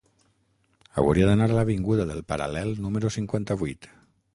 Hauria d'anar a l'avinguda del Paral·lel número cinquanta-vuit.